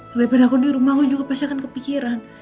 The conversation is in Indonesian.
daripada aku dirumah aku juga pasti akan kepikiran